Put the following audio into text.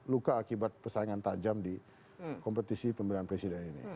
luka akibat persaingan tajam di kompetisi pemilihan presiden ini